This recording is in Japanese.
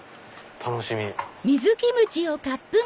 楽しみ。